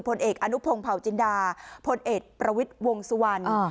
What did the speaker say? พลเอกอนุพงศ์เผาจินดาพลเอกประวิทย์วงสุวรรณ